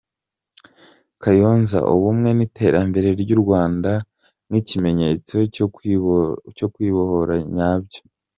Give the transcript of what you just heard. Kayonza: Ubumwe n’iterambere ry’u Rwanda nk’ikimenyetso cyo kwibohora nyabyo.